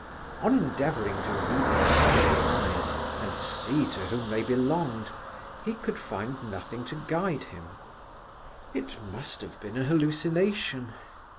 On endeavouring to re discover the eyes, and see to whom they belonged, he could find nothing to guide him. It must have been a hallucination.